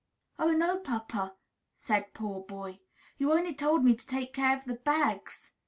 "Oh, no, papa," said poor Boy, "you only told me to take care of the bags."